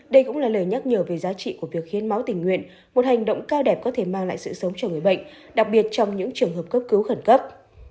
đây cũng là lời nhắc nhở về giá trị của việc hiến máu tình nguyện một hành động cao đẹp có thể mang lại sự sống cho người bệnh đặc biệt trong những trường hợp cấp cứu khẩn cấp